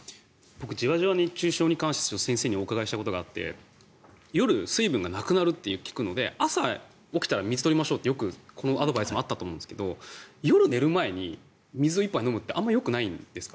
僕じわじわ熱中症に関して先生にお伺いしたいことがあって夜、水分がなくなると聞くので朝、起きたら水を飲みましょうってよくこのアドバイスもあったと思うんですが夜寝る前に水を１杯飲むってあまりよくないんですか？